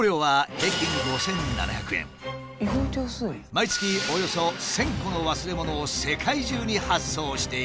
毎月およそ１，０００個の忘れ物を世界中に発送しているという。